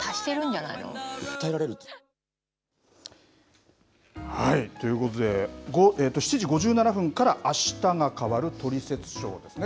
はい、ということで７時５７分からあしたが変わるトリセツショーですね